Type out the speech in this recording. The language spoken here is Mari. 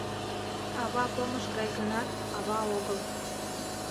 Ава помыш гай гынат, ава огыл.